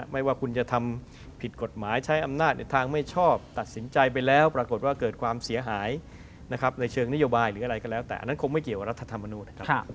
ไม่ว่าคุณจะทำผิดกฎหมายใช้อำนาจในทางไม่ชอบตัดสินใจไปแล้วปรากฏว่าเกิดความเสียหายนะครับในเชิงนโยบายหรืออะไรก็แล้วแต่อันนั้นคงไม่เกี่ยวกับรัฐธรรมนูญนะครับ